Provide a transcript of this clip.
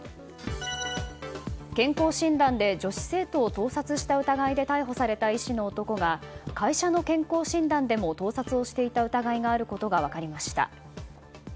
健康診断で女子生徒を盗撮した疑いで逮捕された医師の男が会社の健康診断でも盗撮をしていた疑いがあることが分かりました。